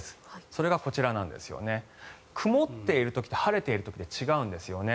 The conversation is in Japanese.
それがこちら、曇っている時と晴れている時で違うんですよね。